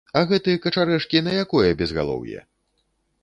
А гэты качарэжкі на якое безгалоўе?